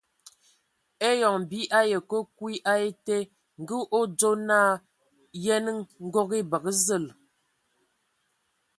Eyon bii ayi ke kwi a ete, ngə o dzo naa :Yənə, ngɔg e bəgə zəl !